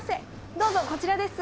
どうぞこちらです。